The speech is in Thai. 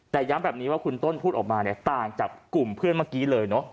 แต่ย้ำแบบนี้ว่าคุณต้นพูดออกมาเนี่ยต่างจากกลุ่มเพื่อนเมื่อกี้เลยเนอะ